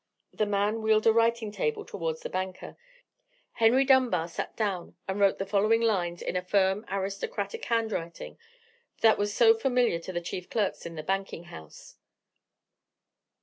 The man wheeled a writing table towards the banker. Henry Dunbar sat down and wrote the following lines; in the firm aristocratic handwriting that was so familiar to the chief clerks in the banking house.